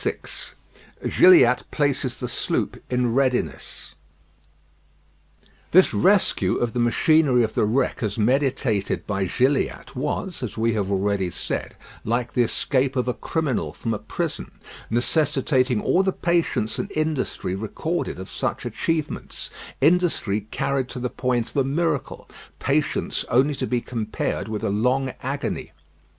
VI GILLIATT PLACES THE SLOOP IN READINESS This rescue of the machinery of the wreck as meditated by Gilliatt was, as we have already said, like the escape of a criminal from a prison necessitating all the patience and industry recorded of such achievements; industry carried to the point of a miracle, patience only to be compared with a long agony.